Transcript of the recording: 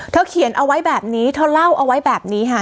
เขียนเอาไว้แบบนี้เธอเล่าเอาไว้แบบนี้ค่ะ